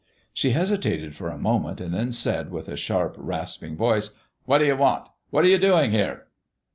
She hesitated for a moment, and then said, with a sharp, rasping voice: "What do you want? What are you doing here?"